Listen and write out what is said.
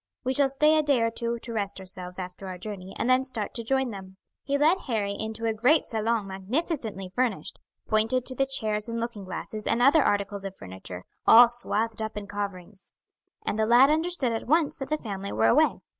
"We shall stay a day or two to rest ourselves after our journey, and then start to join them." He led Harry into a great salon magnificently furnished, pointed to the chairs and looking glasses and other articles of furniture, all swathed up in coverings; and the lad understood at once that the family were away.